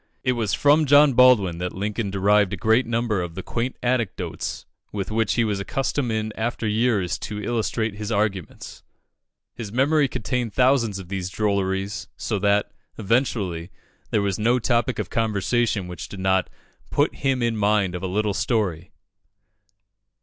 It was from John Baldwin that Lincoln derived a great number of the quaint anecdotes with which he was accustomed in after years to illustrate his arguments. His memory contained thousands of these drolleries; so that, eventually, there was no topic of conversation which did not "put him in mind of a little story."